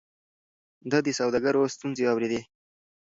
ده د سوداګرو ستونزې اورېدې.